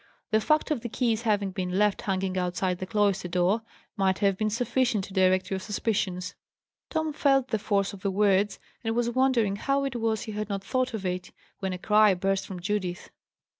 "The fact of the keys having been left hanging outside the cloister door might have been sufficient to direct your suspicions." Tom felt the force of the words, and was wondering how it was he had not thought of it, when a cry burst from Judith.